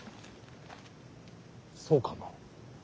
そうかな。